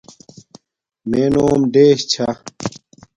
مݺ نݸم ـــــ چھݳ.